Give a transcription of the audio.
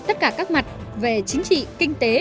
tất cả các mặt về chính trị kinh tế